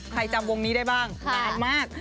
จำวงนี้ได้บ้างนานมาก